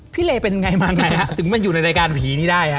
พี่เลส์เป็นไงมั้งหรือตึงไม่อยู่ในรายการผีได้